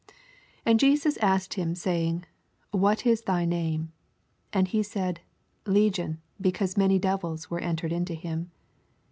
80 And Jesas asked him, saying. What is thy name t And he said, Le gion ; because many devils were en tered into him.